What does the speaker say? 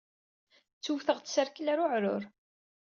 Ttewteɣ-d s rrkel ɣer uɛrur.